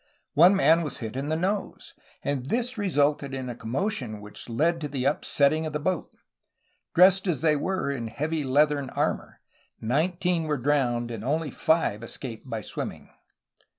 One man was hit in the nose, and this resulted in a commotion which led to upsetting the boat. Dressed as they were in heavy leathern armor, nineteen were drowned, and only five escaped by swimming.